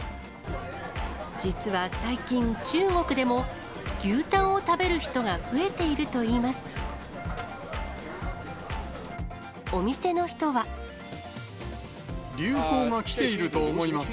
実は最近、中国でも牛タンを食べる人が増えているといいます。